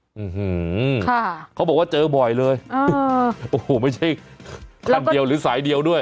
หือค่ะเขาบอกว่าเจอบ่อยเลยเออโอ้โหไม่ใช่คันเดียวหรือสายเดียวด้วย